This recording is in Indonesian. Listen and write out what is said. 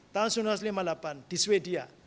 tahun seribu sembilan ratus lima puluh delapan di sweden